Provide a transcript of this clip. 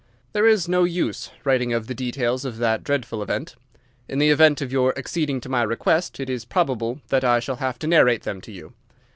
There is no use writing of the details of that dreadful event. In the event of your acceding to my request it is probable that I shall have to narrate them to you.